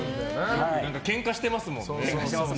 けんかしてますもんね。